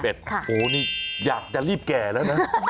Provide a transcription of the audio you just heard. โอ้โหนี่อยากจะรีบแก่แล้วนะ